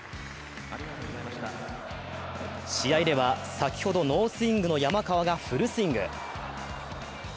試合では、先ほどノースイングの山川がフルスイング。